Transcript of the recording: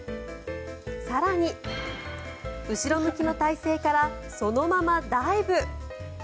更に、後ろ向きの体勢からそのままダイブ。